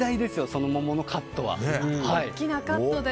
その桃のカットは。